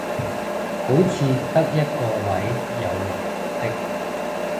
好似得一個位有綠的